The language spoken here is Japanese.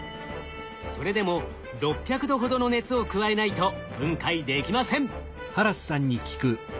それでも６００℃ほどの熱を加えないと分解できません。